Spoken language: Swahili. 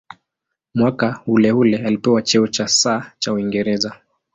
Mwaka uleule alipewa cheo cha "Sir" cha Uingereza.